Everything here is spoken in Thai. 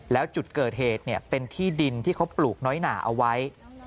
แล้วจุดเกิดเหตุเป็นที่ดินที่เขาปลูกน้อยหนาเอาไว้